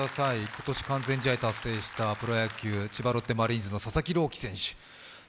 今年完全試合達成したプロ野球、千葉ロッテマリーンズの佐々木朗希選手。